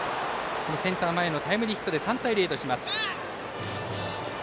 センター前のヒットで３対０とします。